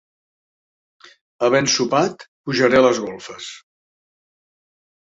Havent sopat, pujaré a les golfes.